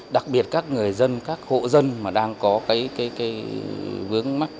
đặc biệt các người dân các hộ dân mà đang có cái vướng mắt